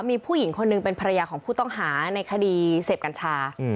มีผู้หญิงคนหนึ่งเป็นภรรยาของผู้ต้องหาในคดีเสพกัญชา